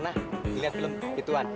nah ngeliat film ituan hah